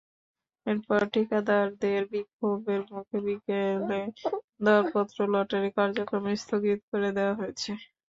এরপর ঠিকাদারদের বিক্ষোভের মুখে বিকেলে দরপত্র লটারির কার্যক্রম স্থগিত করে দেওয়া হয়েছে।